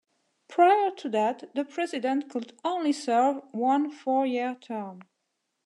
Prior to that, the president could only serve one four-year term.